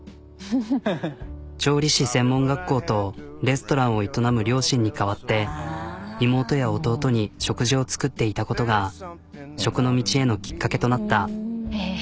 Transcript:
調理師専門学校とレストランを営む両親に代わって妹や弟に食事を作っていたことが食の道へのきっかけとなった。